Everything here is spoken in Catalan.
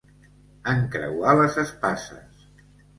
Encreuar les espases.